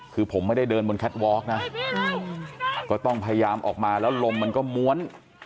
คือผมไม่ได้เดินบนแคทวอร์กนะก็ต้องพยายามออกมาแล้วลมมันก็ม้วน